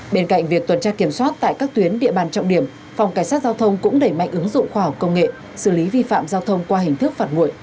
bên cạnh việc tuần tra kiểm soát tại các tuyến địa bàn trọng điểm phòng cảnh sát giao thông cũng đẩy mạnh ứng dụng khoa học công nghệ xử lý vi phạm giao thông qua hình thức phạt nguội